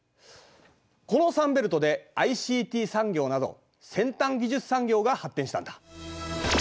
このサンベルトでＩＣＴ産業など先端技術産業が発展したんだ。